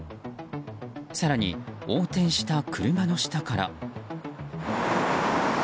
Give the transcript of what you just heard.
更に横転した車の下から。